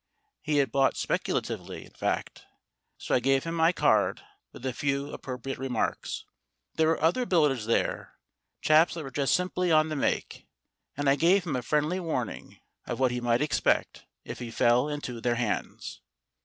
He had bought speculatively, in fact. So I gave him my card, with a few appropriate remarks. There were other builders there, chaps that were just simply on the make, and I gave him a friendly warning of what he might expect if he fell into their hands.